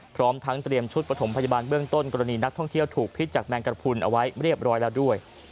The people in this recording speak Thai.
พร้อมทั้งเตรียมชุดประถมพยาบาลเบื้องต้นกรณีนักท่องเที่ยวถูกพิษจากแมงกระพุนเอาไว้เรียบร้อยแล้วด้วย